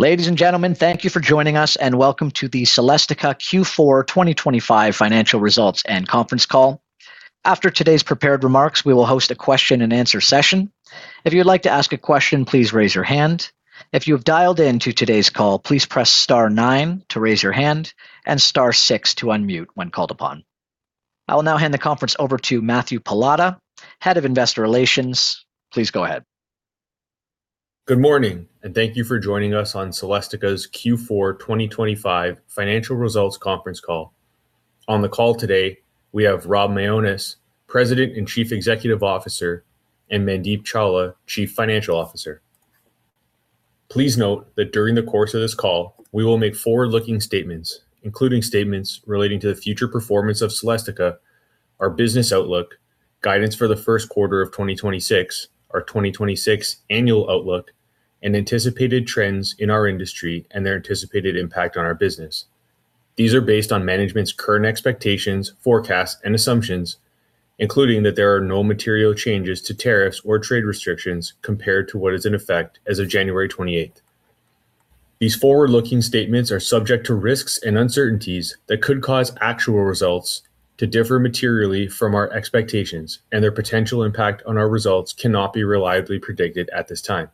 Ladies and gentlemen, thank you for joining us, and welcome to the Celestica Q4 2025 financial results and conference call. After today's prepared remarks, we will host a question and answer session. If you'd like to ask a question, please raise your hand. If you have dialed in to today's call, please press star nine to raise your hand and star six to unmute when called upon. I will now hand the conference over to Matthew Pallotta, Head of Investor Relations. Please go ahead. Good morning, and thank you for joining us on Celestica's Q4 2025 financial results conference call. On the call today, we have Rob Mionis, President and Chief Executive Officer, and Mandeep Chawla, Chief Financial Officer. Please note that during the course of this call, we will make forward-looking statements, including statements relating to the future performance of Celestica, our business outlook, guidance for the first quarter of 2026, our 2026 annual outlook, and anticipated trends in our industry and their anticipated impact on our business. These are based on management's current expectations, forecasts, and assumptions, including that there are no material changes to tariffs or trade restrictions compared to what is in effect as of January 28th. These forward-looking statements are subject to risks and uncertainties that could cause actual results to differ materially from our expectations, and their potential impact on our results cannot be reliably predicted at this time.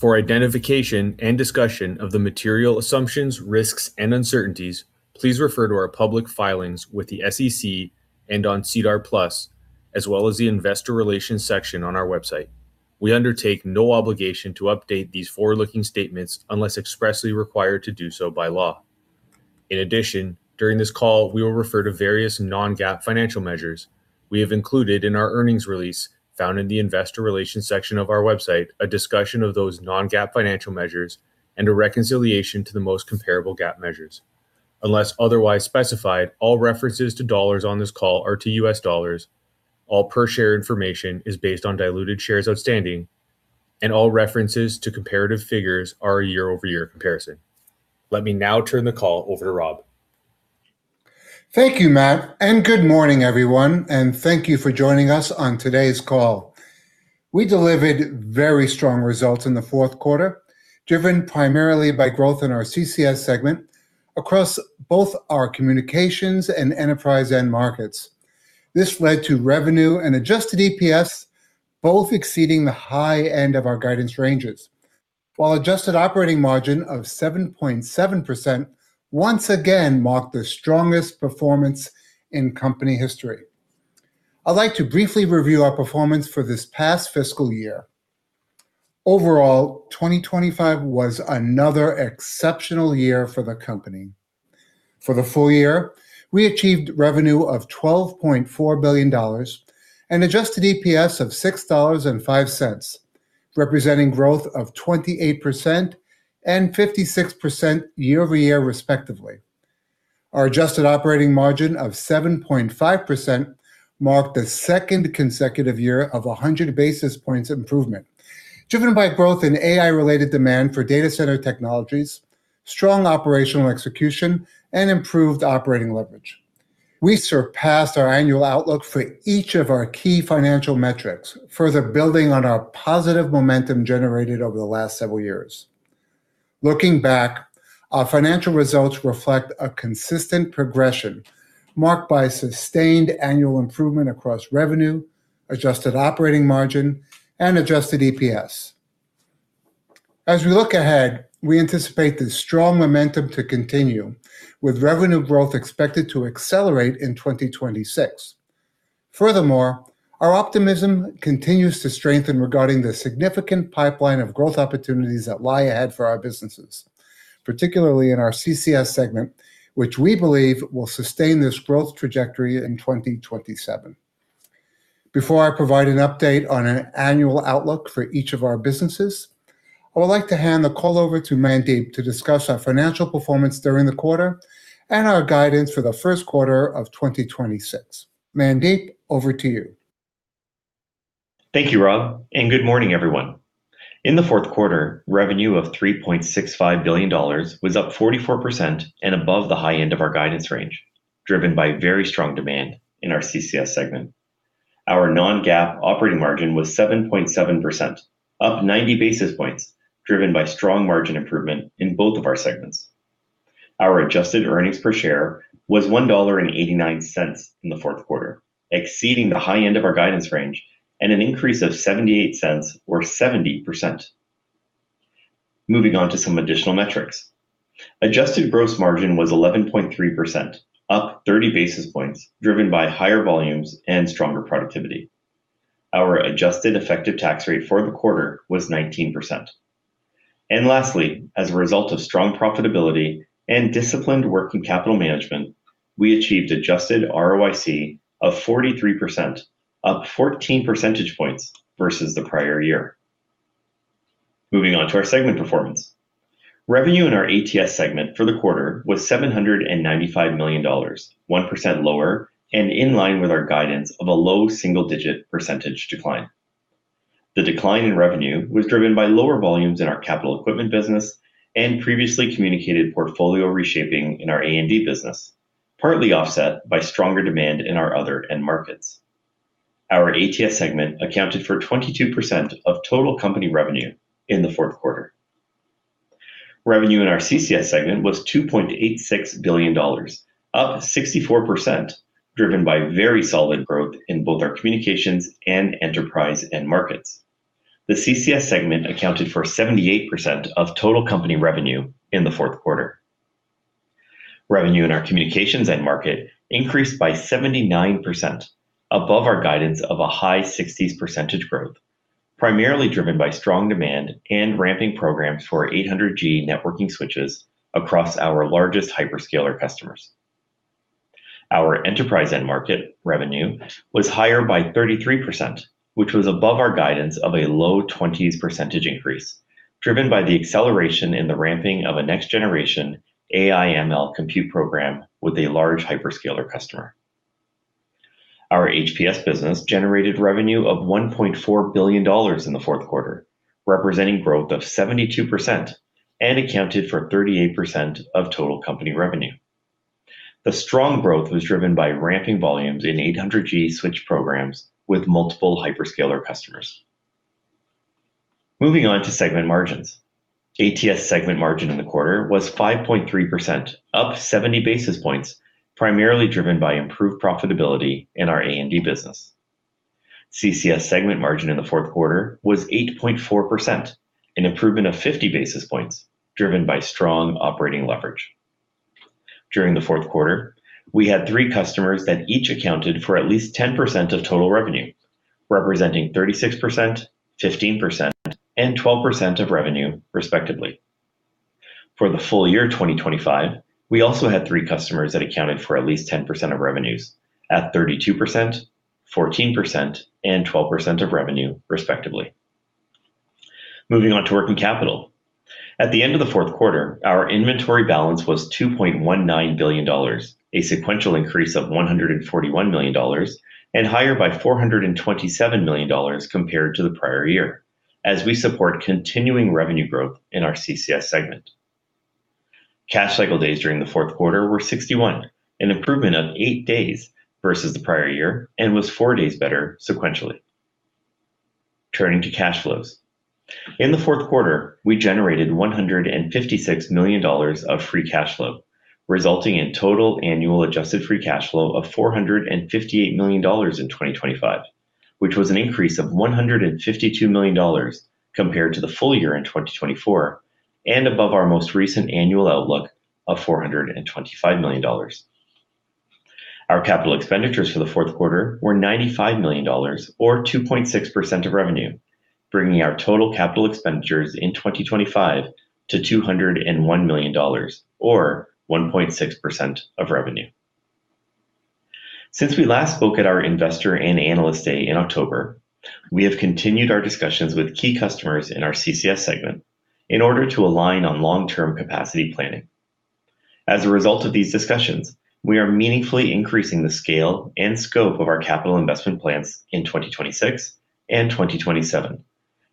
For identification and discussion of the material assumptions, risks, and uncertainties, please refer to our public filings with the SEC and on SEDAR+, as well as the investor relations section on our website. We undertake no obligation to update these forward-looking statements unless expressly required to do so by law. In addition, during this call, we will refer to various non-GAAP financial measures. We have included in our earnings release, found in the investor relations section of our website, a discussion of those non-GAAP financial measures and a reconciliation to the most comparable GAAP measures. Unless otherwise specified, all references to dollars on this call are to U.S. dollars, all per share information is based on diluted shares outstanding, and all references to comparative figures are a year-over-year comparison. Let me now turn the call over to Rob. Thank you, Matt, and good morning, everyone, and thank you for joining us on today's call. We delivered very strong results in the fourth quarter, driven primarily by growth in our CCS segment across both our Communications and Enterprise end markets. This led to revenue and adjusted EPS, both exceeding the high end of our guidance ranges, while adjusted operating margin of 7.7% once again marked the strongest performance in company history. I'd like to briefly review our performance for this past fiscal year. Overall, 2025 was another exceptional year for the company. For the full year, we achieved revenue of $12.4 billion and adjusted EPS of $6.05, representing growth of 28% and 56% year-over-year, respectively. Our adjusted operating margin of 7.5% marked the second consecutive year of 100 basis points improvement, driven by growth in AI-related demand for data center technologies, strong operational execution, and improved operating leverage. We surpassed our annual outlook for each of our key financial metrics, further building on our positive momentum generated over the last several years. Looking back, our financial results reflect a consistent progression marked by sustained annual improvement across revenue, adjusted operating margin, and adjusted EPS. As we look ahead, we anticipate this strong momentum to continue, with revenue growth expected to accelerate in 2026. Furthermore, our optimism continues to strengthen regarding the significant pipeline of growth opportunities that lie ahead for our businesses, particularly in our CCS segment, which we believe will sustain this growth trajectory in 2027. Before I provide an update on an annual outlook for each of our businesses, I would like to hand the call over to Mandeep to discuss our financial performance during the quarter and our guidance for the first quarter of 2026. Mandeep, over to you. Thank you, Rob, and good morning, everyone. In the fourth quarter, revenue of $3.65 billion was up 44% and above the high end of our guidance range, driven by very strong demand in our CCS segment. Our non-GAAP operating margin was 7.7%, up 90 basis points, driven by strong margin improvement in both of our segments. Our adjusted earnings per share was $1.89 in the fourth quarter, exceeding the high end of our guidance range and an increase of $0.78 or 70%. Moving on to some additional metrics. Adjusted gross margin was 11.3%, up 30 basis points, driven by higher volumes and stronger productivity. Our adjusted effective tax rate for the quarter was 19%. Lastly, as a result of strong profitability and disciplined working capital management, we achieved adjusted ROIC of 43%, up 14 percentage points versus the prior year. Moving on to our segment performance. Revenue in our ATS segment for the quarter was $795 million, 1% lower and in line with our guidance of a low single-digit percentage decline. The decline in revenue was driven by lower volumes in our Capital Equipment business and previously communicated portfolio reshaping in our A&D business, partly offset by stronger demand in our other end markets.... Our ATS segment accounted for 22% of total company revenue in the fourth quarter. Revenue in our CCS segment was $2.86 billion, up 64%, driven by very solid growth in both our Communications and Enterprise end markets. The CCS segment accounted for 78% of total company revenue in the fourth quarter. Revenue in our Communications End Market increased by 79%, above our guidance of a high 60s% growth, primarily driven by strong demand and ramping programs for our 800G networking switches across our largest hyperscaler customers. Our Enterprise End Market revenue was higher by 33%, which was above our guidance of a low 20% increase, driven by the acceleration in the ramping of a next generation AI/ML compute program with a large hyperscaler customer. Our HPS business generated revenue of $1.4 billion in the fourth quarter, representing growth of 72% and accounted for 38% of total company revenue. The strong growth was driven by ramping volumes in 800G switch programs with multiple hyperscaler customers. Moving on to segment margins. ATS segment margin in the quarter was 5.3%, up 70 basis points, primarily driven by improved profitability in our A&D business. CCS segment margin in the fourth quarter was 8.4%, an improvement of 50 basis points, driven by strong operating leverage. During the fourth quarter, we had three customers that each accounted for at least 10% of total revenue, representing 36%, 15%, and 12% of revenue, respectively. For the full year, 2025, we also had three customers that accounted for at least 10% of revenues at 32%, 14%, and 12% of revenue, respectively. Moving on to working capital. At the end of the fourth quarter, our inventory balance was $2.19 billion, a sequential increase of $141 million, and higher by $427 million compared to the prior year, as we support continuing revenue growth in our CCS segment. Cash cycle days during the fourth quarter were 61, an improvement of eight days versus the prior year and was four days better sequentially. Turning to cash flows. In the fourth quarter, we generated $156 million of free cash flow, resulting in total annual adjusted free cash flow of $458 million in 2025, which was an increase of $152 million compared to the full year in 2024 and above our most recent annual outlook of $425 million. Our capital expenditures for the fourth quarter were $95 million or 2.6% of revenue, bringing our total capital expenditures in 2025 to $201 million or 1.6% of revenue. Since we last spoke at our Investor and Analyst Day in October, we have continued our discussions with key customers in our CCS segment in order to align on long-term capacity planning. As a result of these discussions, we are meaningfully increasing the scale and scope of our capital investment plans in 2026 and 2027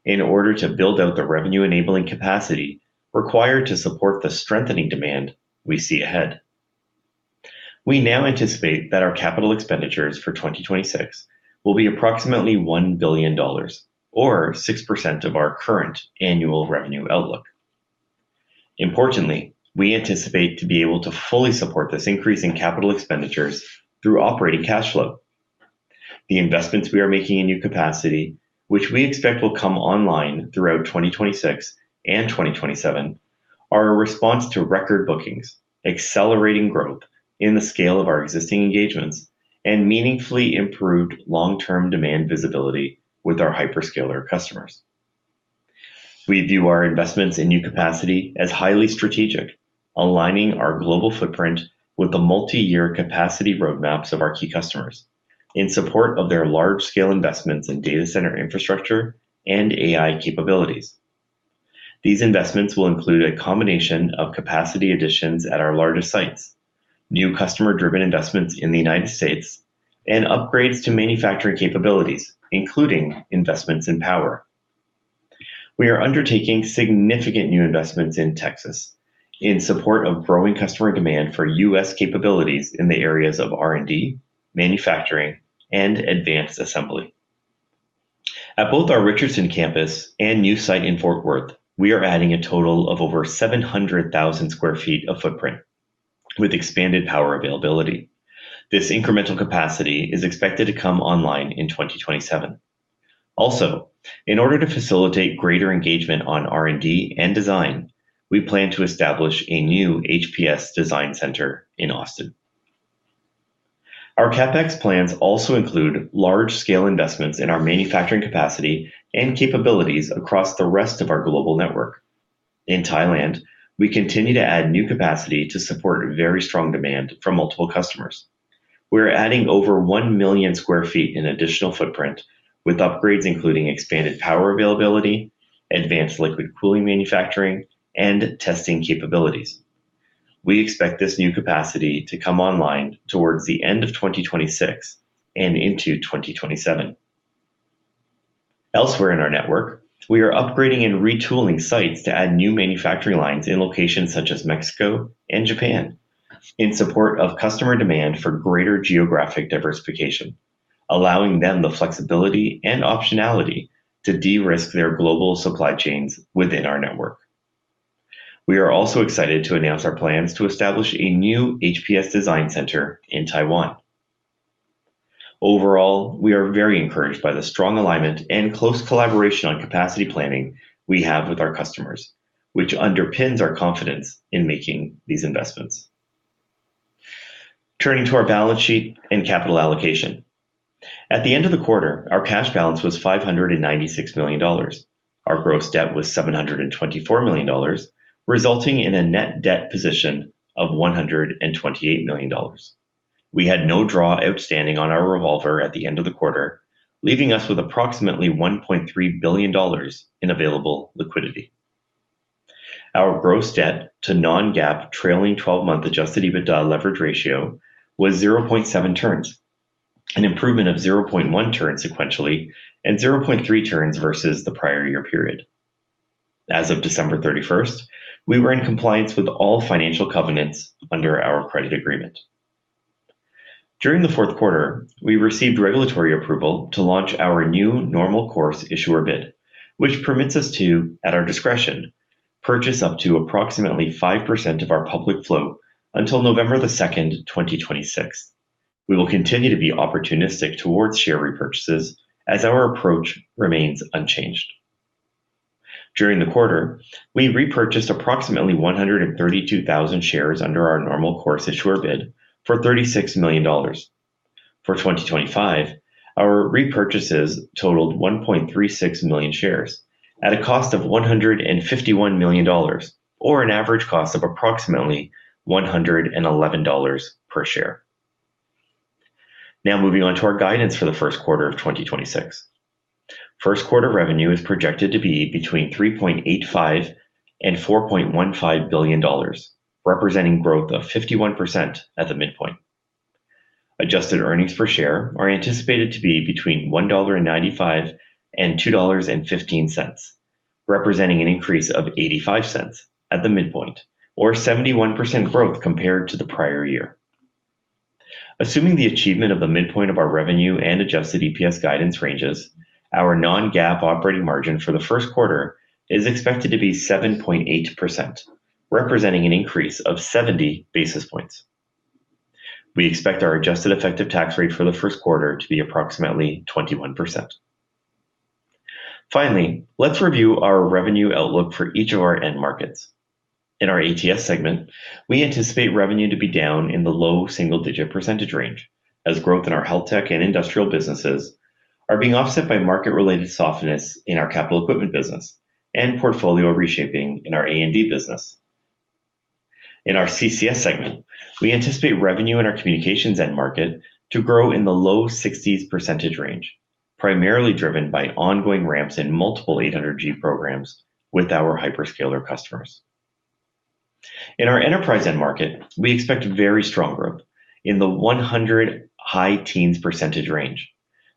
in order to build out the revenue-enabling capacity required to support the strengthening demand we see ahead. We now anticipate that our capital expenditures for 2026 will be approximately $1 billion or 6% of our current annual revenue outlook. Importantly, we anticipate to be able to fully support this increase in capital expenditures through operating cash flow. The investments we are making in new capacity, which we expect will come online throughout 2026 and 2027, are a response to record bookings, accelerating growth in the scale of our existing engagements, and meaningfully improved long-term demand visibility with our hyperscaler customers. We view our investments in new capacity as highly strategic, aligning our global footprint with the multi-year capacity roadmaps of our key customers in support of their large-scale investments in data center infrastructure and AI capabilities. These investments will include a combination of capacity additions at our largest sites, new customer-driven investments in the United States, and upgrades to manufacturing capabilities, including investments in power. We are undertaking significant new investments in Texas in support of growing customer demand for U.S. capabilities in the areas of R&D, manufacturing, and advanced assembly. At both our Richardson campus and new site in Fort Worth, we are adding a total of over 700,000 sq ft of footprint with expanded power availability. This incremental capacity is expected to come online in 2027. Also, in order to facilitate greater engagement on R&D and design, we plan to establish a new HPS design center in Austin. Our CapEx plans also include large-scale investments in our manufacturing capacity and capabilities across the rest of our global network. In Thailand, we continue to add new capacity to support very strong demand from multiple customers. We are adding over 1,000,000 sq ft in additional footprint with upgrades, including expanded power availability, advanced liquid cooling manufacturing, and testing capabilities. We expect this new capacity to come online towards the end of 2026 and into 2027. Elsewhere in our network, we are upgrading and retooling sites to add new manufacturing lines in locations such as Mexico and Japan, in support of customer demand for greater geographic diversification, allowing them the flexibility and optionality to de-risk their global supply chains within our network. We are also excited to announce our plans to establish a new HPS design center in Taiwan. Overall, we are very encouraged by the strong alignment and close collaboration on capacity planning we have with our customers, which underpins our confidence in making these investments. Turning to our balance sheet and capital allocation. At the end of the quarter, our cash balance was $596 million. Our gross debt was $724 million, resulting in a net debt position of $128 million. We had no draw outstanding on our revolver at the end of the quarter, leaving us with approximately $1.3 billion in available liquidity. Our gross debt to non-GAAP trailing twelve-month Adjusted EBITDA leverage ratio was 0.7 turns, an improvement of 0.1 turns sequentially and 0.3 turns versus the prior year period. As of December 31, we were in compliance with all financial covenants under our credit agreement. During the fourth quarter, we received regulatory approval to launch our new Normal Course Issuer Bid, which permits us to, at our discretion, purchase up to approximately 5% of our public float until November the 2nd 2026. We will continue to be opportunistic towards share repurchases as our approach remains unchanged. During the quarter, we repurchased approximately 132,000 shares under our normal course issuer bid for $36 million. For 2025, our repurchases totaled 1.36 million shares at a cost of $151 million, or an average cost of approximately $111 per share. Now, moving on to our guidance for the first quarter of 2026. First quarter revenue is projected to be between $3.85 billion and $4.15 billion, representing growth of 51% at the midpoint. Adjusted earnings per share are anticipated to be between $1.95 and $2.15, representing an increase of $0.85 at the midpoint, or 71% growth compared to the prior year. Assuming the achievement of the midpoint of our revenue and adjusted EPS guidance ranges, our non-GAAP operating margin for the first quarter is expected to be 7.8%, representing an increase of 70 basis points. We expect our adjusted effective tax rate for the first quarter to be approximately 21%. Finally, let's review our revenue outlook for each of our end markets. In our ATS segment, we anticipate revenue to be down in the low single-digit percentage range, as growth in our HealthTech and Industrial businesses are being offset by market-related softness in our Capital Equipment business and portfolio reshaping in our A&D business. In our CCS segment, we anticipate revenue in our communications end market to grow in the low sixties percentage range, primarily driven by ongoing ramps in multiple 800G programs with our hyperscaler customers. In our Enterprise End Market, we expect very strong growth in the 100 high teens percentage range,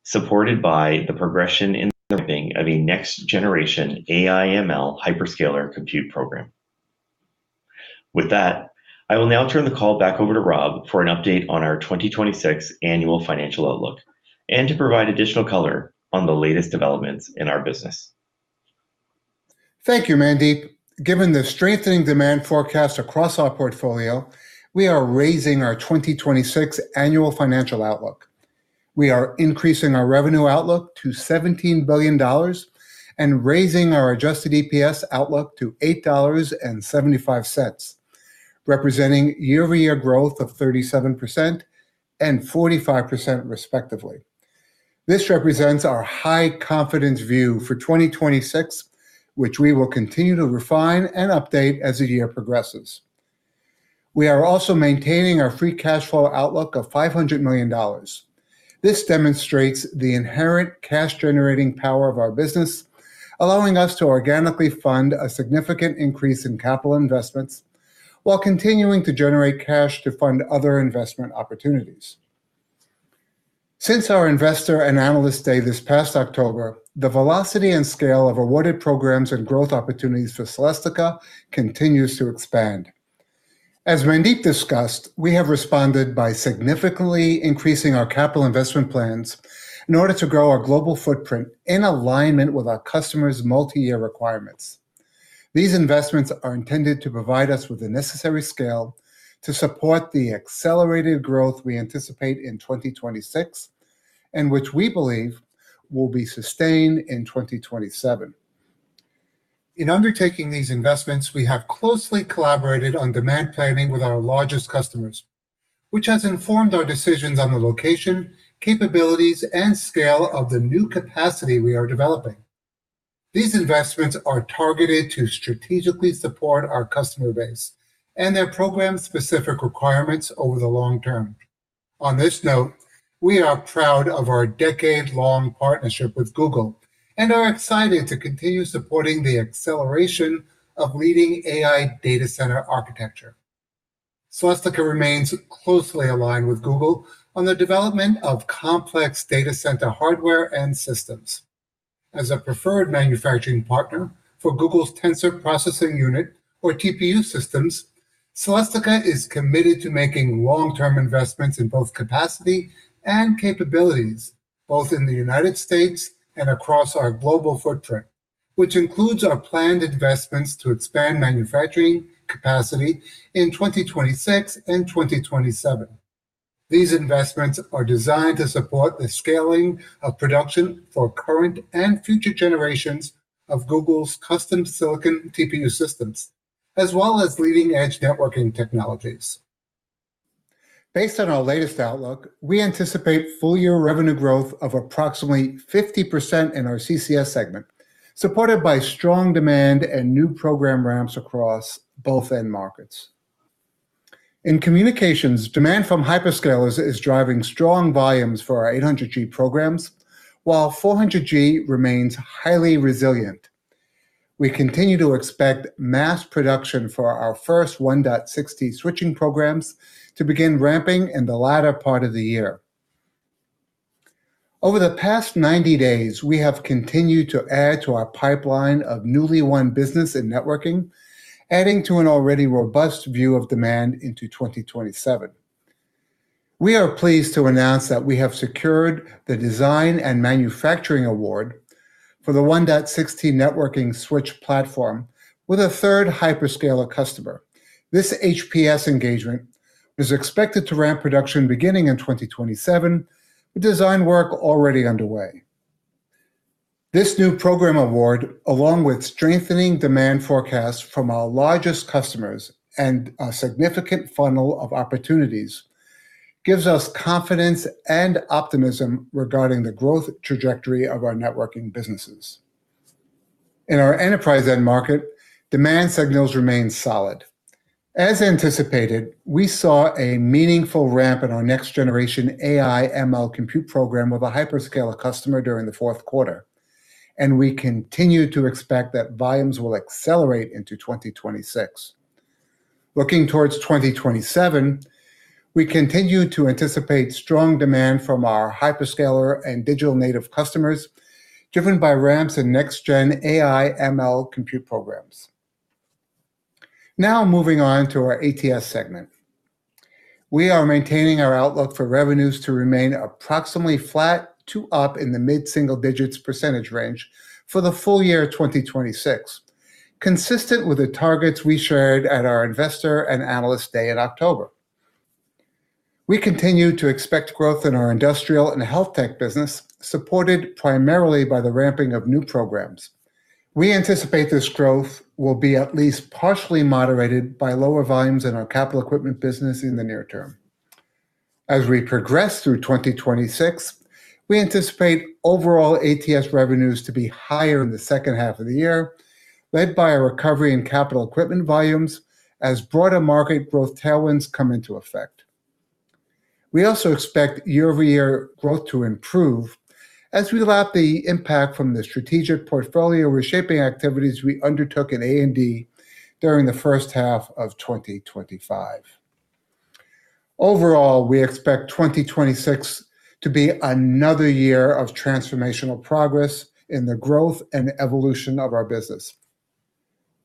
supported by the progression in ramping of a next generation AI/ML hyperscaler compute program. With that, I will now turn the call back over to Rob for an update on our 2026 annual financial outlook and to provide additional color on the latest developments in our business. Thank you, Mandeep. Given the strengthening demand forecast across our portfolio, we are raising our 2026 annual financial outlook. We are increasing our revenue outlook to $17 billion and raising our Adjusted EPS outlook to $8.75, representing year-over-year growth of 37% and 45% respectively. This represents our high confidence view for 2026, which we will continue to refine and update as the year progresses. We are also maintaining our free cash flow outlook of $500 million. This demonstrates the inherent cash-generating power of our business, allowing us to organically fund a significant increase in capital investments while continuing to generate cash to fund other investment opportunities. Since our investor and analyst day this past October, the velocity and scale of awarded programs and growth opportunities for Celestica continues to expand. As Mandeep discussed, we have responded by significantly increasing our capital investment plans in order to grow our global footprint in alignment with our customers' multi-year requirements. These investments are intended to provide us with the necessary scale to support the accelerated growth we anticipate in 2026, and which we believe will be sustained in 2027. In undertaking these investments, we have closely collaborated on demand planning with our largest customers, which has informed our decisions on the location, capabilities, and scale of the new capacity we are developing. These investments are targeted to strategically support our customer base and their program-specific requirements over the long term. On this note, we are proud of our decade-long partnership with Google and are excited to continue supporting the acceleration of leading AI data center architecture.... Celestica remains closely aligned with Google on the development of complex data center hardware and systems. As a preferred manufacturing partner for Google's Tensor Processing Unit or TPU systems, Celestica is committed to making long-term investments in both capacity and capabilities, both in the United States and across our global footprint, which includes our planned investments to expand manufacturing capacity in 2026 and 2027. These investments are designed to support the scaling of production for current and future generations of Google's custom silicon TPU systems, as well as leading-edge networking technologies. Based on our latest outlook, we anticipate full-year revenue growth of approximately 50% in our CCS segment, supported by strong demand and new program ramps across both end markets. In communications, demand from hyperscalers is driving strong volumes for our 800G programs, while 400G remains highly resilient. We continue to expect mass production for our first 1.6T switching programs to begin ramping in the latter part of the year. Over the past 90 days, we have continued to add to our pipeline of newly won business in networking, adding to an already robust view of demand into 2027. We are pleased to announce that we have secured the design and manufacturing award for the 1.6T networking switch platform with a third hyperscaler customer. This HPS engagement is expected to ramp production beginning in 2027, with design work already underway. This new program award, along with strengthening demand forecasts from our largest customers and a significant funnel of opportunities, gives us confidence and optimism regarding the growth trajectory of our networking businesses. In our Enterprise End Market, demand signals remain solid. As anticipated, we saw a meaningful ramp in our next generation AI/ML compute program with a hyperscaler customer during the fourth quarter, and we continue to expect that volumes will accelerate into 2026. Looking towards 2027, we continue to anticipate strong demand from our hyperscaler and digital native customers, driven by ramps in next gen AI/ML compute programs. Now, moving on to our ATS segment. We are maintaining our outlook for revenues to remain approximately flat to up in the mid-single digits percentage range for the full year 2026, consistent with the targets we shared at our Investor and Analyst Day in October. We continue to expect growth in our Industrial and HealthTech business, supported primarily by the ramping of new programs. We anticipate this growth will be at least partially moderated by lower volumes in our Capital Equipment business in the near term. As we progress through 2026, we anticipate overall ATS revenues to be higher in the second half of the year, led by a recovery in Capital Equipment volumes as broader market growth tailwinds come into effect. We also expect year-over-year growth to improve as we lap the impact from the strategic portfolio reshaping activities we undertook in A&D during the first half of 2025. Overall, we expect 2026 to be another year of transformational progress in the growth and evolution of our business.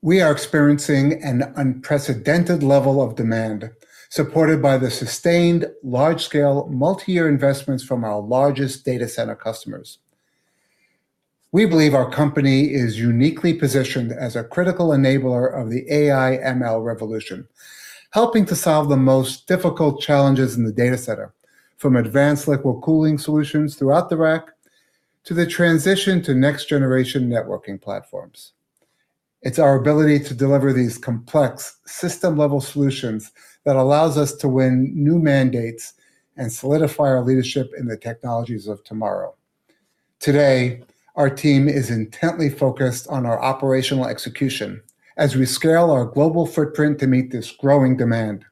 We are experiencing an unprecedented level of demand, supported by the sustained, large-scale, multi-year investments from our largest data center customers. We believe our company is uniquely positioned as a critical enabler of the AI/ML revolution, helping to solve the most difficult challenges in the data center, from advanced liquid cooling solutions throughout the rack to the transition to next-generation networking platforms. It's our ability to deliver these complex system-level solutions that allows us to win new mandates and solidify our leadership in the technologies of tomorrow. Today, our team is intently focused on our operational execution as we scale our global footprint to meet this growing demand.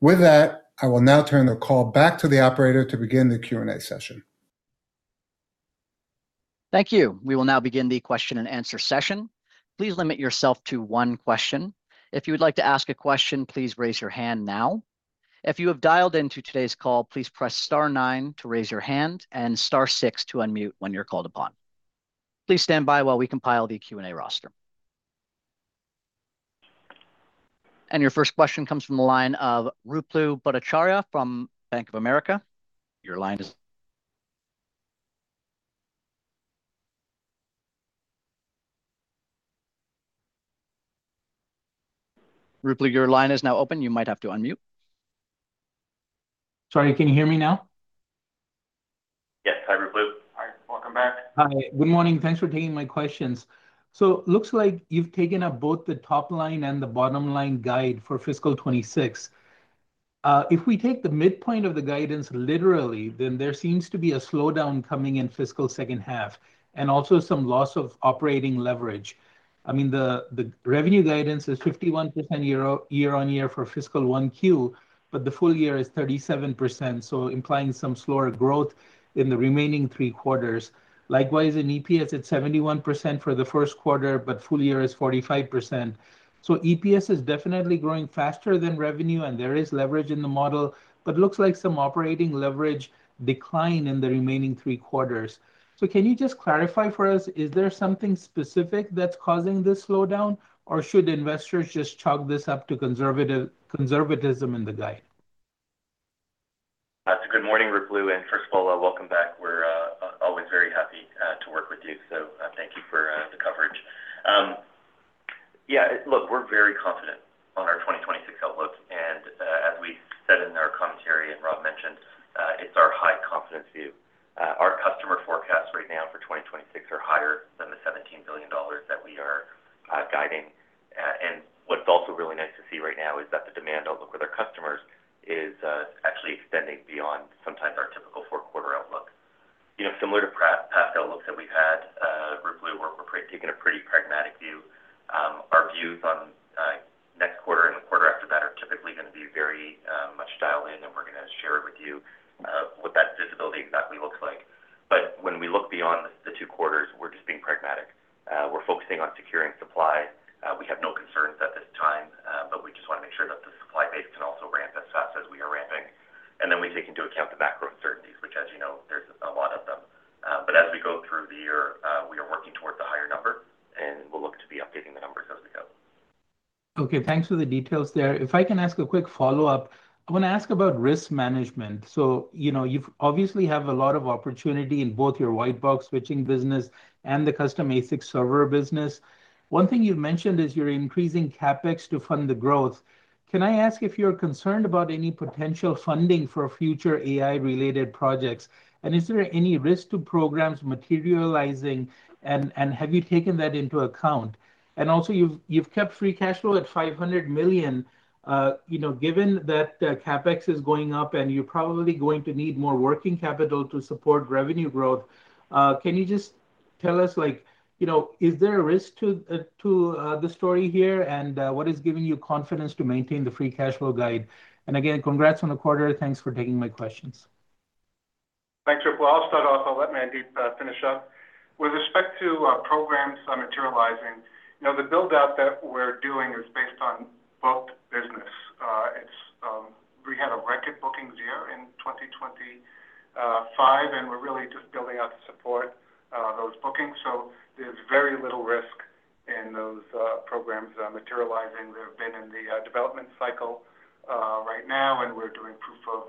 With that, I will now turn the call back to the operator to begin the Q&A session. Thank you. We will now begin the question and answer session. Please limit yourself to one question. If you would like to ask a question, please raise your hand now. If you have dialed into today's call, please press star nine to raise your hand and star six to unmute when you're called upon. Please stand by while we compile the Q&A roster. Your first question comes from the line of Ruplu Bhattacharya from Bank of America. Your line is... Ruplu, your line is now open. You might have to unmute. Sorry, can you hear me now? Yes. Hi, Ruplu. Hi, welcome back. Hi. Good morning. Thanks for taking my questions. So looks like you've taken up both the top line and the bottom line guide for fiscal 2026. If we take the midpoint of the guidance literally, then there seems to be a slowdown coming in fiscal second half and also some loss of operating leverage. I mean, the revenue guidance is 51% year-over-year for fiscal 1Q, but the full year is 37%, so implying some slower growth in the remaining three quarters. Likewise, in EPS, it's 71% for the first quarter, but full year is 45%. So EPS is definitely growing faster than revenue, and there is leverage in the model, but looks like some operating leverage decline in the remaining three quarters. Can you just clarify for us, is there something specific that's causing this slowdown, or should investors just chalk this up to conservatism in the guide? Good morning, Ruplu, and first of all, welcome back. We're always very happy to work with you. So, thank you for the coverage. Yeah, look, we're very confident on our 2026 outlook, and as we said in our commentary and Rob mentioned, it's our high confidence view. Our customer forecasts right now for 2026 are higher than the $17 billion that we are guiding. And what's also really nice to see right now is that the demand outlook with our customers is actually extending beyond sometimes our typical four-quarter outlook. You know, similar to past outlooks that we've had, Ruplu, where we're taking a pretty pragmatic view. Our views on next quarter and the quarter after that are typically gonna be very much dialed in, and we're gonna share with you what that visibility exactly looks like. But when we look beyond the two quarters, we're just being pragmatic. We're focusing on securing supply. We have no concerns at this time, but we just want to make sure that the supply base can also ramp as fast as we are ramping. And then we take into account the macro uncertainties, which, as you know, there's a lot of them. But as we go through the year, we are working towards a higher number, and we'll look to be updating the numbers as we go. Okay, thanks for the details there. If I can ask a quick follow-up, I want to ask about risk management. So you know, you've obviously have a lot of opportunity in both your white box switching business and the custom ASIC server business. One thing you've mentioned is you're increasing CapEx to fund the growth. Can I ask if you're concerned about any potential funding for future AI-related projects? And is there any risk to programs materializing, and have you taken that into account? And also, you've kept free cash flow at $500 million. You know, given that the CapEx is going up and you're probably going to need more working capital to support revenue growth, can you just tell us, like, you know, is there a risk to the story here? What is giving you confidence to maintain the free cash flow guide? And again, congrats on the quarter. Thanks for taking my questions. Thanks, Ruplu. I'll start off. I'll let Mandeep finish up. With respect to programs on materializing, you know, the build-out that we're doing is based on booked business. It's. We had a record bookings year in 2025, and we're really just building out to support those bookings. So there's very little risk in those programs materializing. They have been in the development cycle right now, and we're doing proof of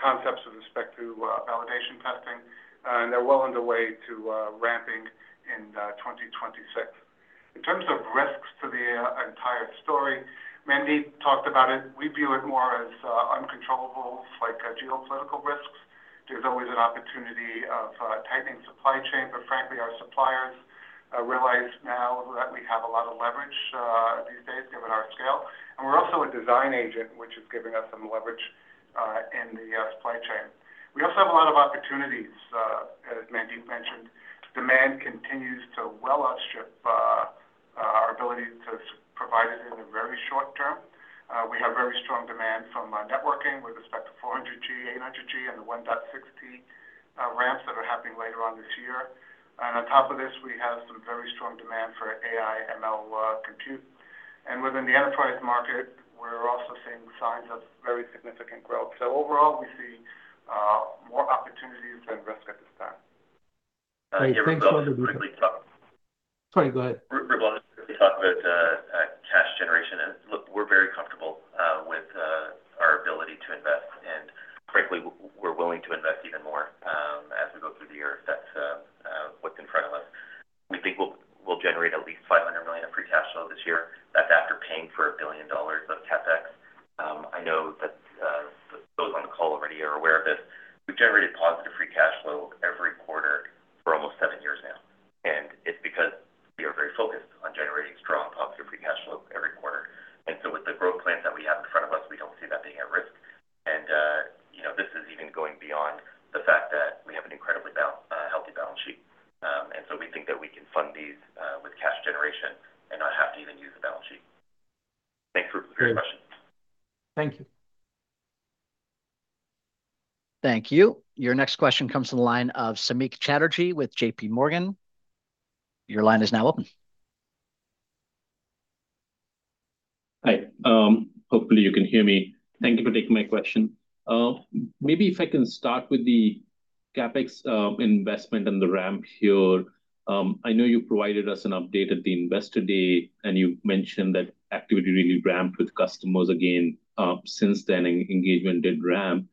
concepts with respect to validation testing, and they're well underway to ramping in 2026. In terms of risks to the entire story, Mandeep talked about it. We view it more as uncontrollable, like geopolitical risks. There's always an opportunity of tightening supply chain. But frankly, our suppliers realize now that we have a lot of leverage these days, given our scale. We're also a design agent, which is giving us some leverage in the supply chain. We also have a lot of opportunities, as Mandeep mentioned. Demand continues to well outstrip our ability to provide it in the very short term. We have very strong demand from networking with respect to 400G, 800G, and the 1.6T ramps that are happening later on this year. On top of this, we have some very strong demand for AI, ML compute. Within the Enterprise market, we're also seeing signs of very significant growth. So overall, we see more opportunities than risk at this time. Thanks for the- Quickly talk- Sorry, go ahead. Ruplu, quickly talk about cash generation. And look, we're very comfortable with our ability to invest, and frankly, we're willing to invest even more, as we go through the year if that's what's in front of us. We think we'll generate at least $500 million of free cash flow this year. That's after paying for $1 billion of CapEx. I know that those on the call already are aware of this. We've generated positive free cash flow every quarter for almost 7 years now, and it's because we are very focused on generating strong, positive free cash flow every quarter. And so with the growth plans that we have in front of us, we don't see that being at risk. And, you know, this is even going beyond the fact that we have an incredibly healthy balance sheet. And so we think that we can fund these with cash generation and not have to even use the balance sheet. Thanks, Ruplu, for the question. Thank you. Thank you. Your next question comes from the line of Samik Chatterjee with JPMorgan. Your line is now open. Hi, hopefully, you can hear me. Thank you for taking my question. Maybe if I can start with the CapEx investment and the ramp here. I know you provided us an update at the Investor Day, and you mentioned that activity really ramped with customers again since then, engagement did ramp.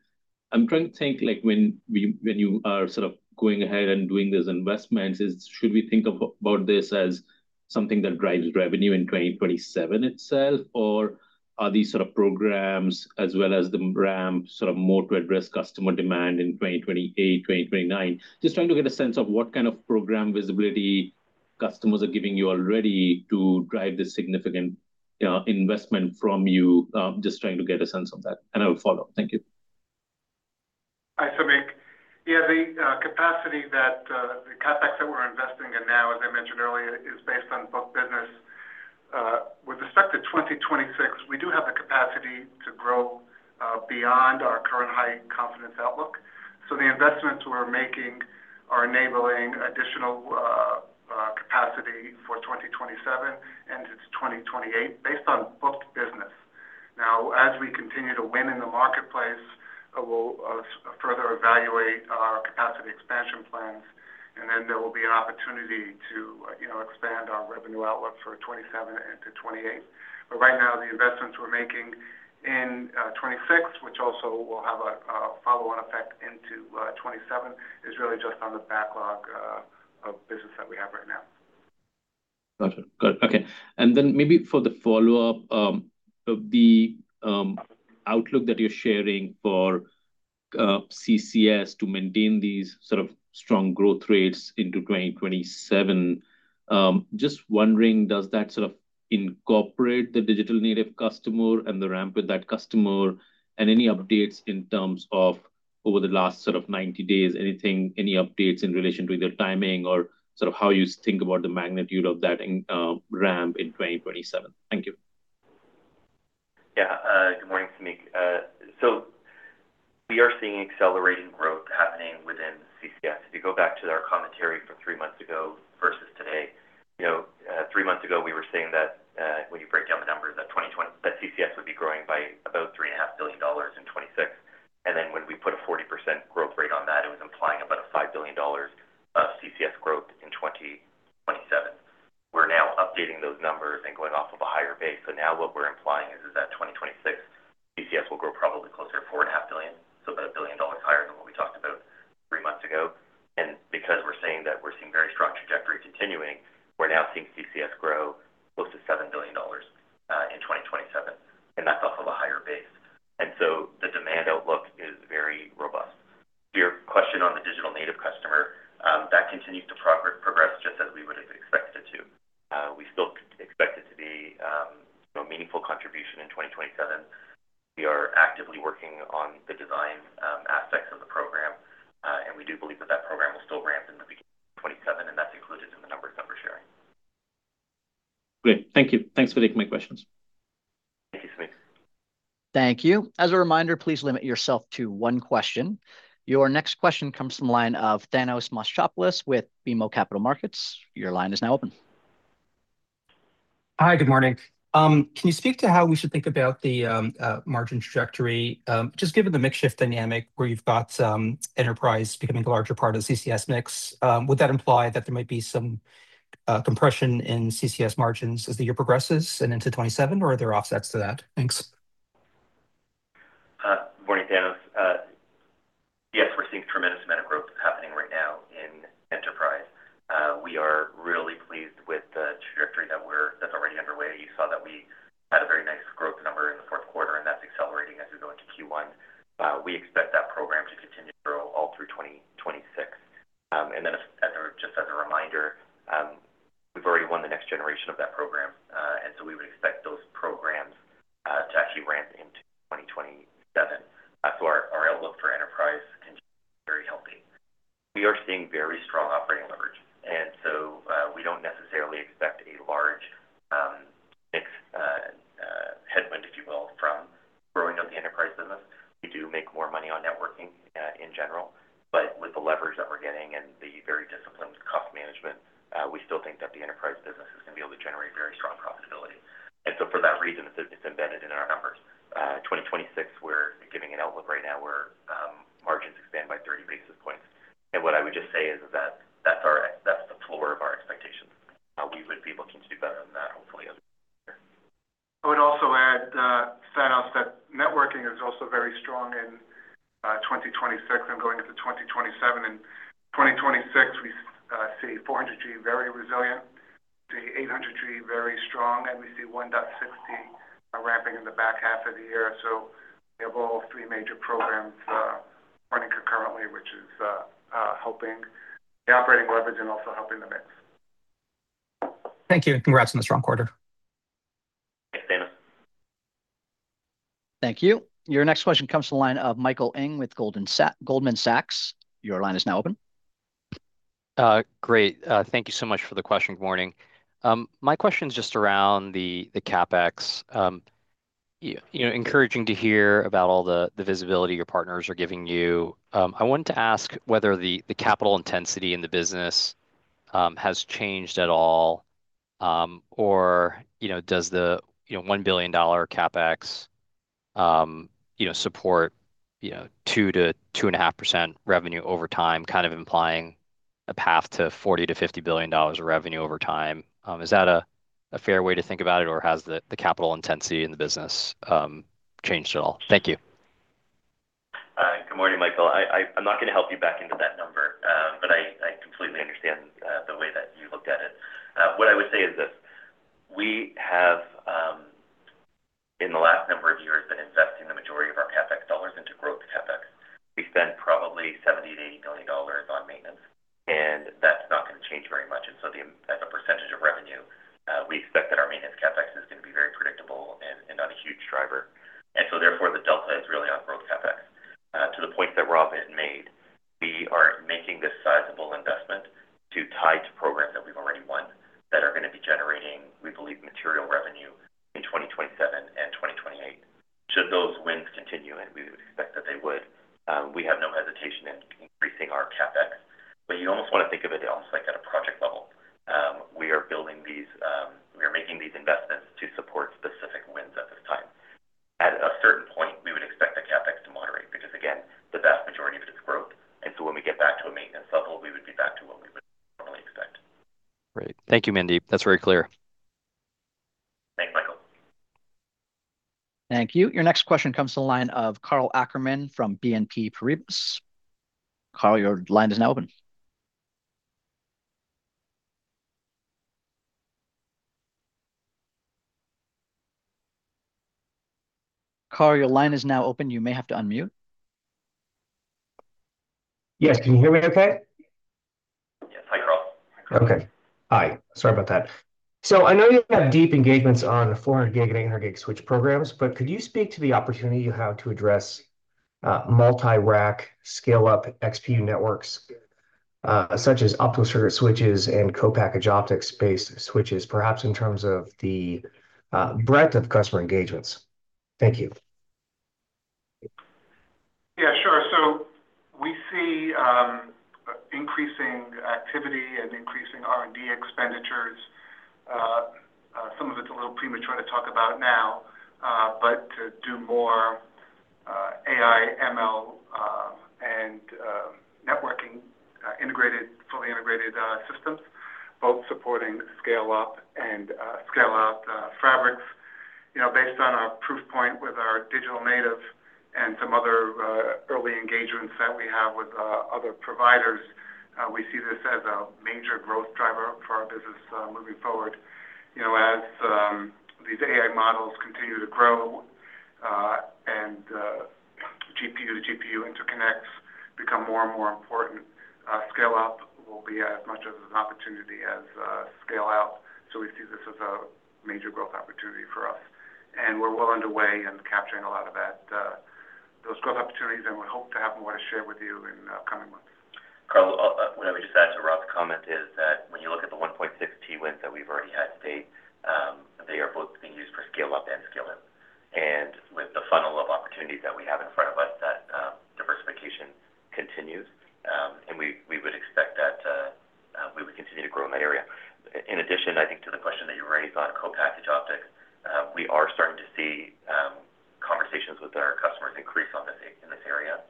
I'm trying to think, like, when you are sort of going ahead and doing these investments, should we think about this as something that drives revenue in 2027 itself? Or are these sort of programs as well as the ramp, sort of more to address customer demand in 2028, 2029? Just trying to get a sense of what kind of program visibility customers are giving you already to drive this significant investment from you. Just trying to get a sense of that, and I will follow up. Thank you. ... Yeah, the capacity that the CapEx that we're investing in now, as I mentioned earlier, is based on booked business. With respect to 2026, we do have the capacity to grow beyond our current high confidence outlook. So the investments we're making are enabling additional capacity for 2027 and into 2028, based on booked business. Now, as we continue to win in the marketplace, we'll further evaluate our capacity expansion plans, and then there will be an opportunity to, you know, expand our revenue outlook for 2027 into 2028. But right now, the investments we're making in 2026, which also will have a follow-on effect into 2027, is really just on the backlog of business that we have right now. Got it. Good. Okay, and then maybe for the follow-up, outlook that you're sharing for CCS to maintain these sort of strong growth rates into 2027, just wondering, does that sort of incorporate the digital native customer and the ramp with that customer? And any updates in terms of over the last sort of 90 days, anything, any updates in relation to either timing or sort of how you think about the magnitude of that in ramp in 2027? Thank you. Yeah, good morning, Samik. So we are seeing accelerating growth happening within CCS. If you go back to our commentary from three months ago versus today, you know, three months ago, we were saying that, when you break down the numbers, that 2026 CCS would be growing by about $3.5 billion. And then when we put a 40% growth rate on that, it was implying about $5 billion of CCS growth in 2027. We're now updating those numbers and going off of a higher base. So now what we're or, you know, does the $1 billion CapEx support 2%-2.5% revenue over time, kind of implying a path to $40 billion-$50 billion of revenue over time? Is that a fair way to think about it, or has the capital intensity in the business changed at all? Thank you. Good morning, Michael. I'm not going to help you back into that number, but I completely understand the way that you looked at it. What I would say is this: we have, in the last number of years, been investing the majority of our CapEx dollars into growth CapEx. We spend probably $70 billion-$80 billion on maintenance, and that's not going to change very much. And so the, as a percentage of revenue, we expect that driver, and so therefore, the delta is really on growth CapEx. To the point that Rob had made, we are making this sizable investment to tie to programs that we've already won that are going to be generating, we believe, material revenue in 2027 and 2028. Should those wins continue, and we would expect that they would, we have no hesitation in increasing our CapEx. But you almost want to think of it almost like at a project level. We are making these investments to support specific wins at this time. At a certain point, we would expect the CapEx to moderate because, again, the vast majority of it is growth. And so when we get back to a maintenance level, we would be back to what we would normally expect. Great. Thank you, Mandeep. That's very clear. Thanks, Michael. Thank you. Your next question comes to the line of Karl Ackerman from BNP Paribas. Karl, your line is now open. Karl, your line is now open. You may have to unmute. Yes. Can you hear me okay? Yes. Hi, Karl. Okay. Hi, sorry about that. So I know you have deep engagements on the 400G and 800G switch programs, but could you speak to the opportunity you have to address multi-rack scale-up XPU networks, such as optical circuit switches and co-packaged optics-based switches, perhaps in terms of the breadth of customer engagements? Thank you. Yeah, sure. So we see increasing activity and increasing R&D expenditures. Some of it's a little premature to talk about now, but to do more AI, ML, and networking integrated, fully integrated systems, both supporting scale up and scale out fabrics. You know, based on our proof point with our digital native and some other early engagements that we have with other providers, we see this as a major growth driver for our business moving forward. You know, as these AI models continue to grow and GPU-to-GPU interconnects become more and more important, scale-up will be as much of an opportunity as scale-out. So we see this as a major growth opportunity for us, and we're well underway in capturing a lot of that, those growth opportunities, and we hope to have more to share with you in coming months. Carl, what I just said to Rob's comment is that when you look at the 1.6T wins that we've already had to date, they are both being used for scale-up and scale-out. And with the funnel of opportunities that we have in front of us, that diversification continues, and we would expect that we would continue to grow in that area. In addition, I think to the question that you raised on co-packaged optics, we are starting to see conversations with our customers increase in this area.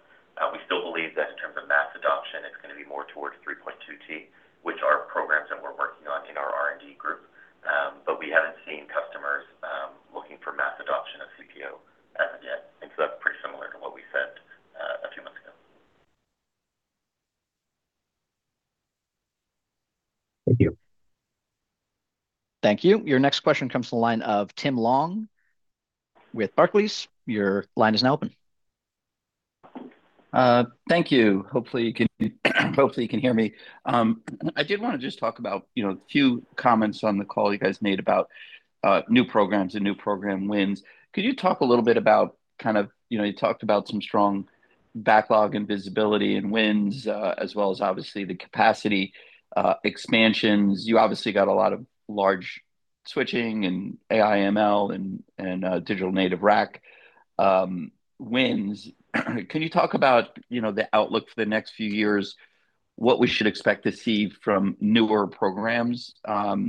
We still believe that in terms of mass adoption, it's going to be more towards 3.2 T, which are programs that we're working on in our R&D group. But we haven't seen customers looking for mass adoption of CPO as of yet, and so that's pretty similar to what we said a few months ago. Thank you. Thank you. Your next question comes to the line of Tim Long with Barclays. Your line is now open. Thank you. Hopefully, you can, hopefully, you can hear me. I did want to just talk about, you know, a few comments on the call you guys made about new programs and new program wins. Could you talk a little bit about kind of... You know, you talked about some strong backlog and visibility and wins, as well as obviously the capacity expansions. You obviously got a lot of large switching and AI, ML, and digital native rack wins. Can you talk about, you know, the outlook for the next few years, what we should expect to see from newer programs,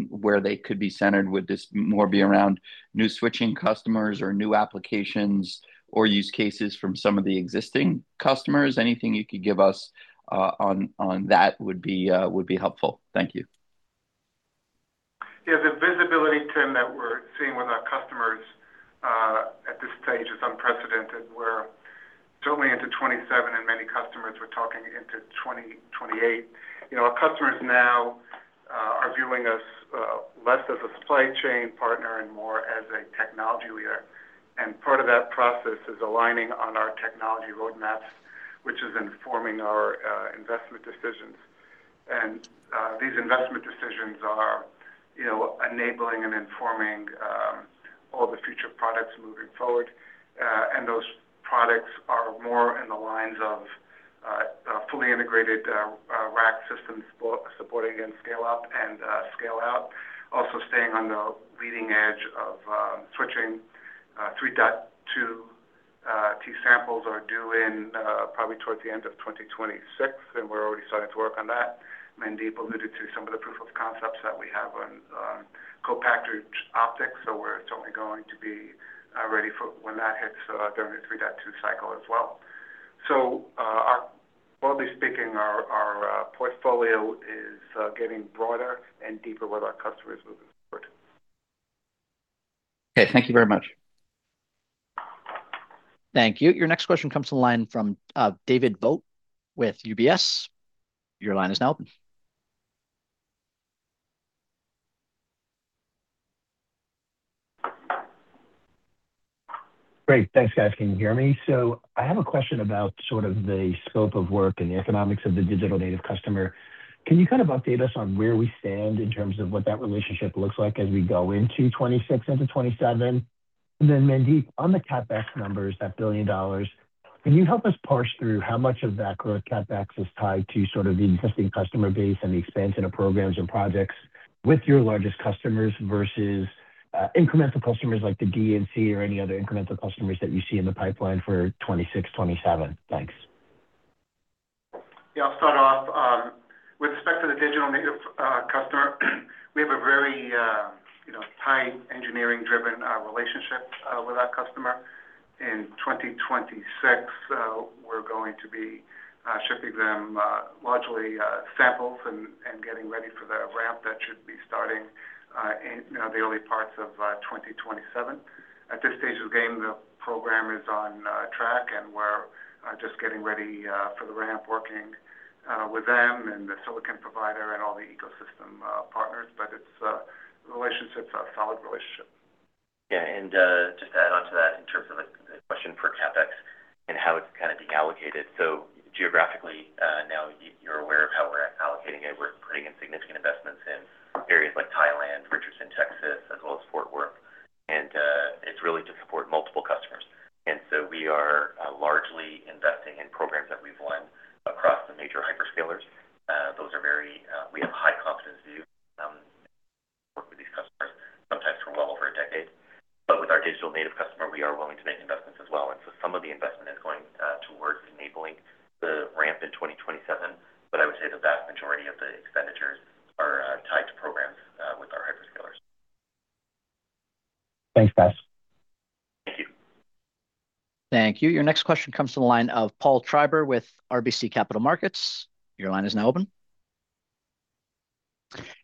where they could be centered? Would this more be around new switching customers or new applications or use cases from some of the existing customers? Anything you could give us on that would be helpful. Thank you. Yeah, the visibility, Tim, that we're seeing with our customers, at this stage, is unprecedented. We're totally into 2027, and many customers we're talking into 2028. You know, our customers now, are viewing us, less as a supply chain partner and more as a technology leader. And part of that process is aligning on our technology roadmaps, which is informing our, investment decisions. And, these investment decisions are, you know, enabling and informing, all the future products moving forward. And those products are more in the lines of, a fully integrated, rack systems supporting and scale up and, scale out, also staying on the leading edge of, switching, 3.2 T samples are due in, probably towards the end of 2026, and we're already starting to work on that. Mandeep alluded to some of the proof of concepts that we have on co-packaged optics, so we're totally going to be ready for when that hits during the 3.2 cycle as well. So, broadly speaking, our portfolio is getting broader and deeper with our customers moving forward. Okay, thank you very much. Thank you. Your next question comes to the line from David Vogt with UBS. Your line is now open. Great. Thanks, guys. Can you hear me? So I have a question about sort of the scope of work and the economics of the digital native customer. Can you kind of update us on where we stand in terms of what that relationship looks like as we go into 2026 into 2027? And then, Mandeep, on the CapEx numbers, that $1 billion, can you help us parse through how much of that growth CapEx is tied to sort of the existing customer base and the expansion of programs and projects with your largest customers versus incremental customers like the DNC or any other incremental customers that you see in the pipeline for 2026, 2027? Thanks. Yeah, I'll start off. With respect to the digital native customer, we have a very, you know, tight, engineering-driven relationship with that customer. In 2026, we're going to be shipping them largely samples and getting ready for the ramp that should be starting in, you know, the early parts of 2027. At this stage of the game, the program is on track, and we're just getting ready for the ramp, working with them and the silicon provider and all the ecosystem partners. But it's a solid relationship. Yeah, and just to add on to that in terms of the question for CapEx and how it's kind of being allocated. So geographically, now you're aware of how we're allocating it. We're putting in significant investments in areas like Thailand, Richardson, Texas, as well as Fort Worth, and it's really to support multiple customers. And so we are largely investing in programs that we've won across the major hyperscalers. Those are very... We have high confidence to work with these customers, sometimes for well over a decade. But with our digital native customer, we are willing to make investments as well, and so some of the investment is going towards enabling the ramp in 2027, but I would say the vast majority of the expenditures are tied to programs with our hyperscalers. Thanks, guys. Thank you. Thank you. Your next question comes from the line of Paul Treiber with RBC Capital Markets. Your line is now open.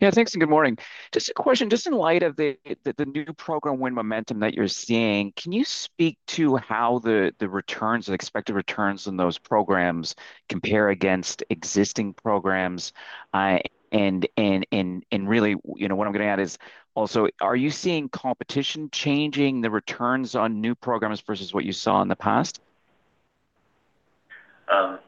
Yeah, thanks, and good morning. Just a question, just in light of the new program win momentum that you're seeing, can you speak to how the returns, the expected returns on those programs compare against existing programs? And really, you know, what I'm going to add is also, are you seeing competition changing the returns on new programs versus what you saw in the past? Yeah.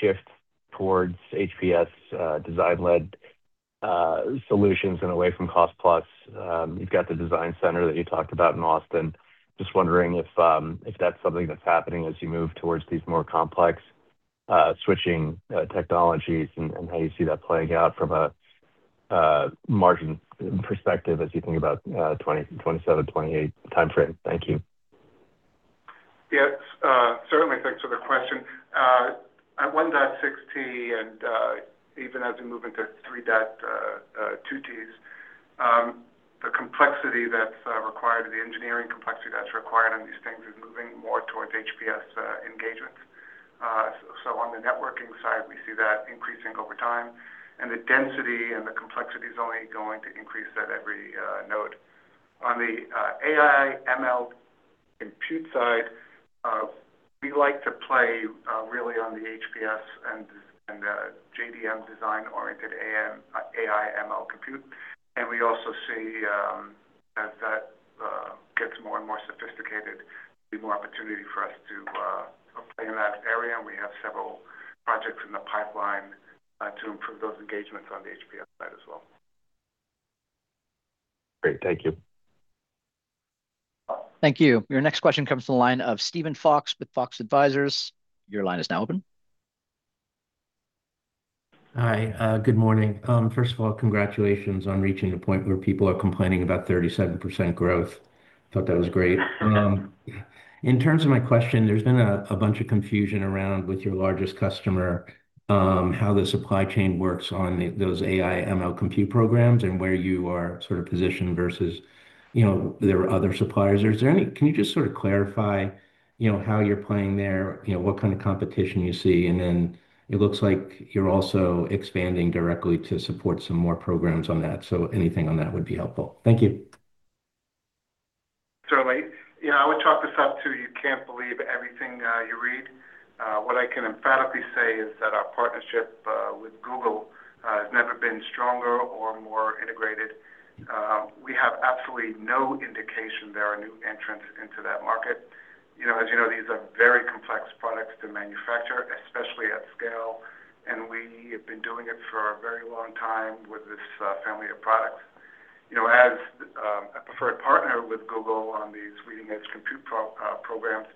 shift towards HPS design-led solutions and away from cost plus? You've got the design center that you talked about in Austin. Just wondering if that's something that's happening as you move towards these more complex switching technologies and how you see that playing out from a margin perspective as you think about 2027, 2028 timeframe. Thank you. Yes, certainly. Thanks for the question. At 1.6T and even as we move into 3.2 Ts, the complexity that's required, the engineering complexity that's required on these things is moving more towards HPS engagements. So on the networking side, we see that increasing over time, and the density and the complexity is only going to increase at every node. On the AI, ML compute side, we like to play really on the HPS and JDM design-oriented AI, ML compute. And we also see, as that gets more and more sophisticated, be more opportunity for us to play in that area. And we have several projects in the pipeline to improve those engagements on the HPS side as well. Great. Thank you. Thank you. Your next question comes from the line of Steven Fox with Fox Advisors. Your line is now open. Hi, good morning. First of all, congratulations on reaching a point where people are complaining about 37% growth. I thought that was great. In terms of my question, there's been a bunch of confusion around with your largest customer, how the supply chain works on those AI/ML compute programs and where you are sort of positioned versus, you know, their other suppliers. Is there any? Can you just sort of clarify, you know, how you're playing there, you know, what kind of competition you see? And then it looks like you're also expanding directly to support some more programs on that, so anything on that would be helpful. Thank you. Certainly. Yeah, I would chalk this up to you can't believe everything you read. What I can emphatically say is that our partnership with Google has never been stronger or more integrated. We have absolutely no indication there are new entrants into that market. You know, as you know, these are very complex products to manufacture, especially at scale, and we have been doing it for a very long time with this family of products. You know, as a preferred partner with Google on these leading-edge compute programs,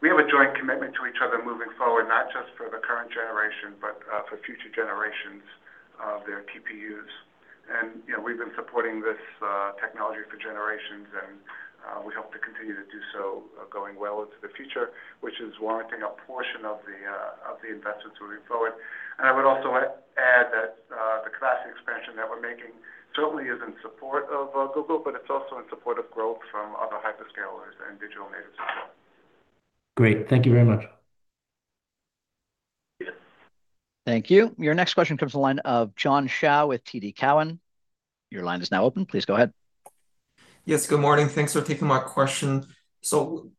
we have a joint commitment to each other moving forward, not just for the current generation, but for future generations of their TPUs. You know, we've been supporting this technology for generations, and we hope to continue to do so going well into the future, which is warranting a portion of the investment moving forward. I would also add that the capacity expansion that we're making certainly is in support of Google, but it's also in support of growth from other hyperscalers and digital natives as well. Great. Thank you very much. Yes. Thank you. Your next question comes from the line of John Shao with TD Cowen. Your line is now open. Please go ahead. Yes, good morning. Thanks for taking my question. So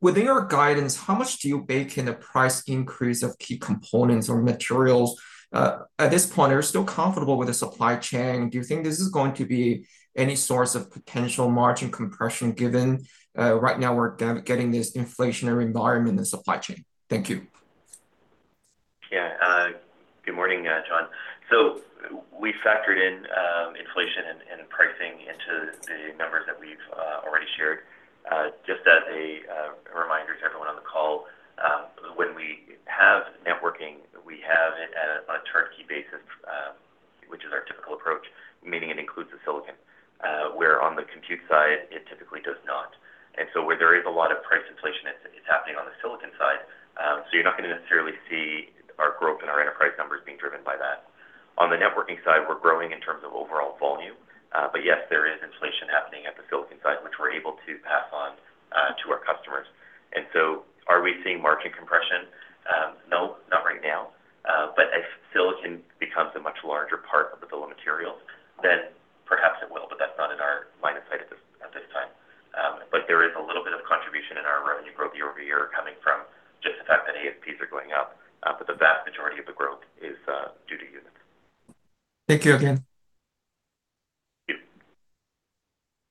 within your guidance, how much do you bake in the price increase of key components or materials? At this point, are you still comfortable with the supply chain? Do you think this is going to be any source of potential margin compression, given right now we're getting this inflationary environment in the supply chain? Thank you. Yeah, good morning, John. So we factored in inflation and pricing into the numbers that we've already shared. Just as a reminder to everyone on the call, when we have networking, we have it on a turnkey basis, which is our typical approach, meaning it includes the silicon, where on the compute side, it typically does not. And so where there is a lot of price inflation, it's happening on the silicon side. So you're not going to necessarily see our growth in our Enterprise numbers being driven by that. On the networking side, we're growing in terms of overall volume. But yes, there is inflation happening at the silicon side, which we're able to pass on to our customers. And so are we seeing margin compression? No, not right now. But if silicon becomes a much larger part of the bill of materials, then perhaps it will, but that's not in our line of sight at this time. But there is a little bit of contribution in our revenue growth year-over-year coming from just the fact that ASPs are going up, but the vast majority of the growth is due to units. Thank you again. Thank you.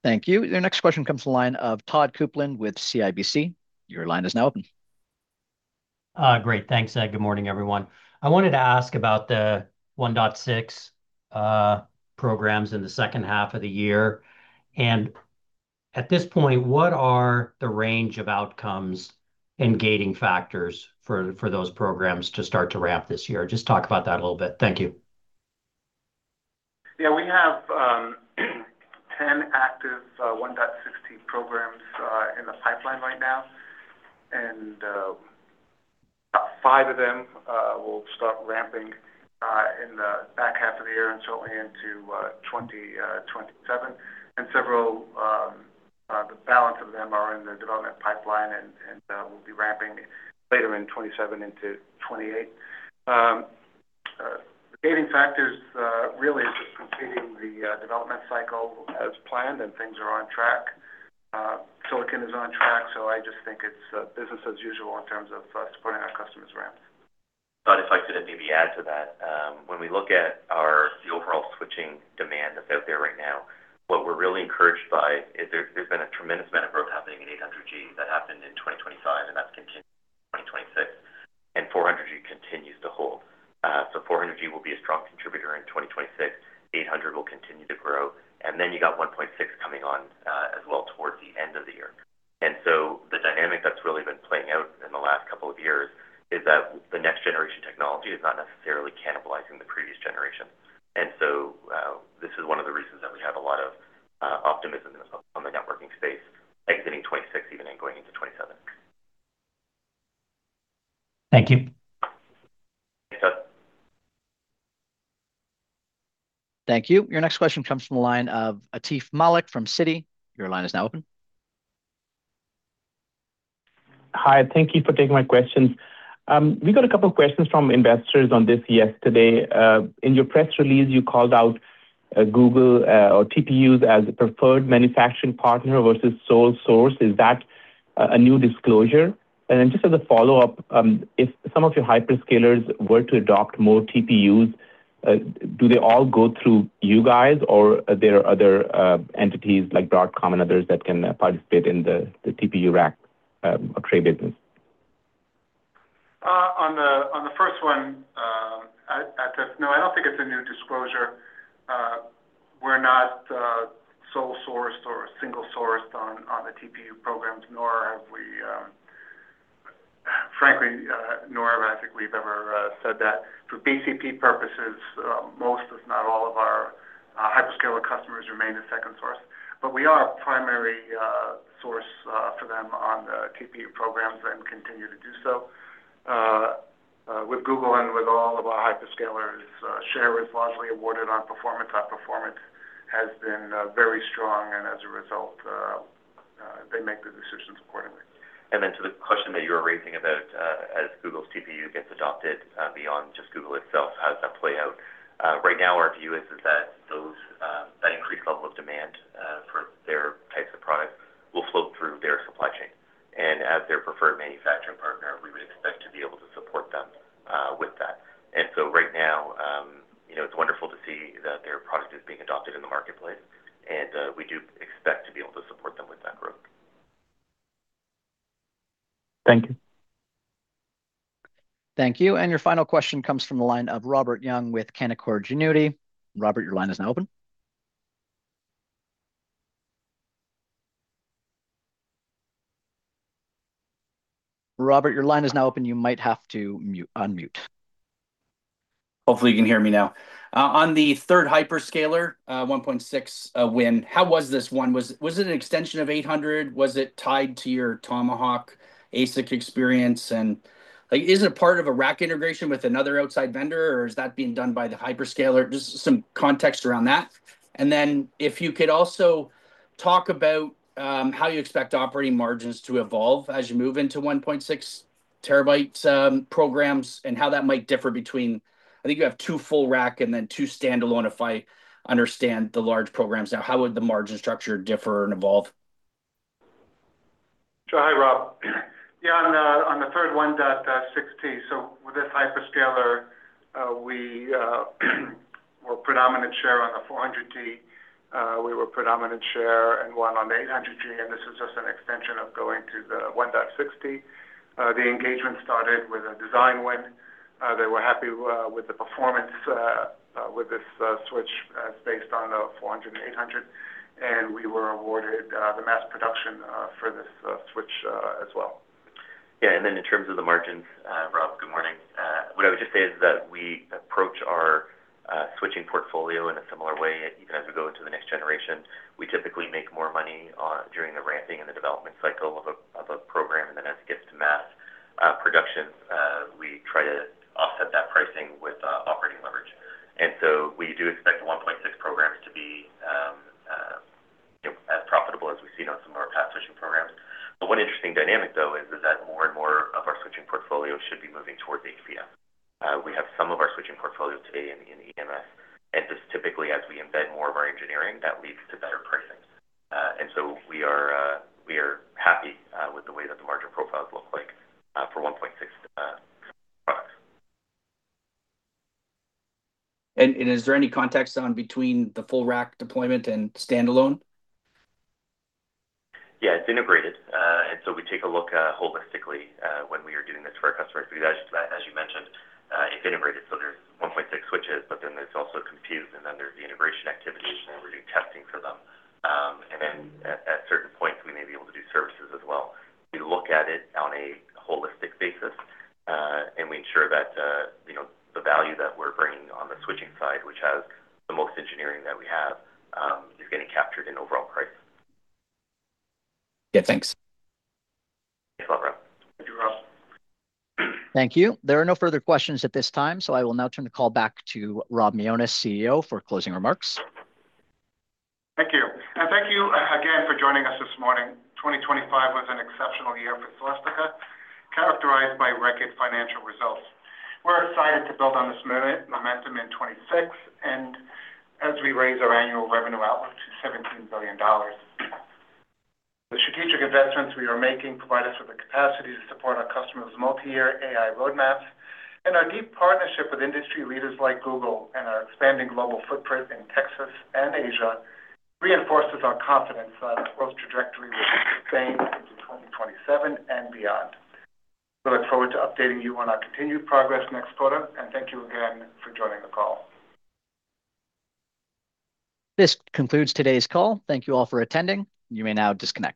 Thank you. Your next question comes from the line of Todd Coupland with CIBC. Your line is now open. Great. Thanks, Ed. Good morning, everyone. I wanted to ask about the 1.6T programs in the second half of the year. At this point, what are the range of outcomes and gating factors for those programs to start to ramp this year? Just talk about that a little bit. Thank you. Yeah, we have 10 active 1.6 programs in the pipeline right now, and about 5 of them will start ramping in the back half of the year and certainly into 2027. And several, the balance of them are in the development pipeline and will be ramping later in 2027 into 2028. The gating factors really is just completing the development cycle as planned, and things are on track. Silicon is on track, so I just think it's business as usual in terms of supporting our customers ramp. But I'd like to maybe add to that. When we look at our overall switching demand that's out there right now, what we're really encouraged by is there, there's been a tremendous amount of growth happening in 800G. That happened in 2025, and that's continuing in 2026, and 400G continues to hold. So 400G will be a strong contributor in 2026, 800G will continue to grow, and then you got 1.6 coming on, as well towards the end of the year. And so the dynamic that's really been playing out in the last couple of years is that the next-generation technology is not necessarily cannibalizing the previous generation. This is one of the reasons that we have a lot of optimism on the networking space, exiting 2026, even in going into 2027. Thank you. Thanks, Todd. Thank you. Your next question comes from the line of Aatif Malik from Citi. Your line is now open. Hi, thank you for taking my questions. We got a couple of questions from investors on this yesterday. In your press release, you called out Google or TPUs as the preferred manufacturing partner versus sole source. Is that a new disclosure? And then just as a follow-up, if some of your hyperscalers were to adopt more TPUs, do they all go through you guys, or are there other entities like Broadcom and others that can participate in the TPU rack tray business? ... on the first one, I just— No, I don't think it's a new disclosure. We're not sole sourced or single sourced on the TPU programs, nor have we... Frankly, nor I think we've ever said that. For BCP purposes, most, if not all of our hyperscaler customers remain a second source. But we are a primary source for them on the TPU programs and continue to do so. With Google and with all of our hyperscalers, share is largely awarded on performance. Our performance has been very strong, and as a result, they make the decisions accordingly. And then to the question that you were raising about, as Google's TPU gets adopted, beyond just Google itself, how does that play out? Right now, our view is, is that those, that increased level of demand, for their types of products will flow through their supply chain. And as their preferred manufacturing partner, we would expect to be able to support them, with that. And so right now, you know, it's wonderful to see that their product is being adopted in the marketplace, and, we do expect to be able to support them with that growth. Thank you. Thank you. And your final question comes from the line of Robert Young with Canaccord Genuity. Robert, your line is now open. Robert, your line is now open. You might have to mute, unmute. Hopefully, you can hear me now. On the third hyperscaler, 1.6 win, how was this one? Was it an extension of 800? Was it tied to your Tomahawk ASIC experience? And, like, is it a part of a rack integration with another outside vendor, or is that being done by the hyperscaler? Just some context around that. And then if you could also talk about how you expect operating margins to evolve as you move into 1.6 terabyte programs, and how that might differ between... I think you have two full rack and then two standalone, if I understand the large programs now. How would the margin structure differ and evolve? Sure. Hi, Rob. Yeah, on the, on the third one, that 1.6T. So with this hyperscaler, we were predominant share on the 400G. We were predominant share and won on the 800G, and this is just an extension of going to the 1.6T. The engagement started with a design win. They were happy with the performance with this switch based on the 400G and 800G, and we were awarded the mass production for this switch as well. Yeah, and then in terms of the margins, Rob, good morning. What I would just say is that we approach our switching portfolio in a similar way, even as we go into the next generation. We typically make more money during the ramping and the development cycle of a program, and then as it gets to mass production, we try to offset that pricing with operating leverage. And so we do expect the 1.6 programs to be, you know, as profitable as we've seen on some of our past switching programs. But one interesting dynamic, though, is that more and more of our switching portfolio should be moving towards the HPS. We have some of our switching portfolio today in EMS, and just typically, as we embed more of our engineering, that leads to better pricing. So we are happy with the way that the margin profiles look like for 1.6 products. Is there any context on between the full rack deployment and standalone? Yeah, it's integrated. And so we take a look holistically when we are doing this for our customers, because as you mentioned, it's integrated, so there's 1.6 switches, but then there's also compute, and then there's the integration activity, and we're doing testing for them. And then at certain points, we may be able to do services as well. We look at it on a holistic basis, and we ensure that you know, the value that we're bringing on the switching side, which has the most engineering that we have, is getting captured in overall pricing. Yeah, thanks. Thanks, Rob. Thank you, Rob. Thank you. There are no further questions at this time, so I will now turn the call back to Rob Mionis, CEO, for closing remarks. Thank you. And thank you again for joining us this morning. 2025 was an exceptional year for Celestica, characterized by record financial results. We're excited to build on this momentum in 2026, as we raise our annual revenue outlook to $17 billion. The strategic investments we are making provide us with the capacity to support our customers' multi-year AI roadmaps, and our deep partnership with industry leaders like Google and our expanding global footprint in Texas and Asia reinforces our confidence that our growth trajectory will remain into 2027 and beyond. We look forward to updating you on our continued progress next quarter, and thank you again for joining the call. This concludes today's call. Thank you all for attending. You may now disconnect.